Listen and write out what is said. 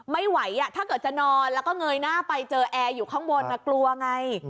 ไม่ไหวถ้าเกิดจะนอนแล้วก็เงยหน้าไปเจอแอร์อยู่ข้างบนกลัวไง